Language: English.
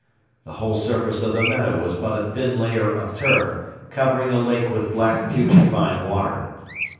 The whole surface of the meadow was but a thin layer of turf, covering a lake with black putrefying water.